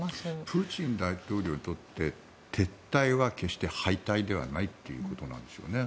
プーチン大統領にとって撤退は決して敗退ではないということなんでしょうね。